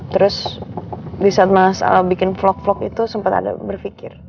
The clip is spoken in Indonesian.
terus di saat mas ala bikin vlog vlog itu sempat ada berpikir